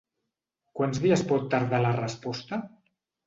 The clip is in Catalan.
Quants dies pot tardar la resposta?